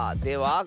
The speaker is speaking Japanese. では